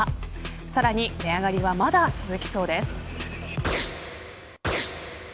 さらに値上がりはまだ続きそうです。